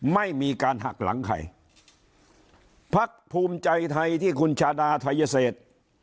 ไม่มีการหักหลังใครพักภูมิใจไทยที่คุณชาดาไทเศษ